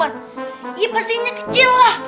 iya pastinya kecil lah